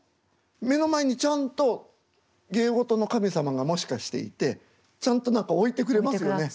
目の前にちゃんと芸事の神様がもしかしていてちゃんと何か置いてくれますよね。